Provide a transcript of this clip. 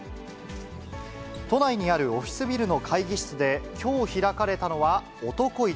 都内にあるオフィスビルの会議室できょう開かれたのは男市。